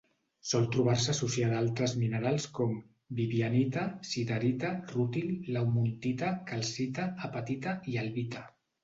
Sol trobar-se associada a altres minerals com: vivianita, siderita, rútil, laumontita, calcita, apatita i albita.